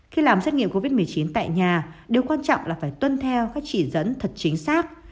khi làm xét nghiệm covid một mươi chín tại nhà điều quan trọng là phải tuân theo các chỉ dẫn thật chính xác